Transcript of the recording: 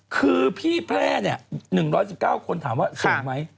คือพี่แพร่๑๑๙คนถามว่าสูงไหม